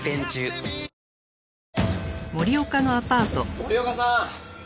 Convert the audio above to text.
森岡さん！